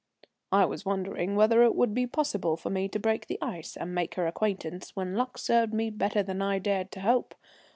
I was wondering whether it would be possible for me to break the ice and make her acquaintance, when luck served me better than I dared to hope.